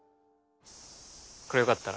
これよかったら。